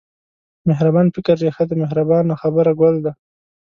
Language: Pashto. مهربان فکر رېښه ده مهربانه خبره ګل دی.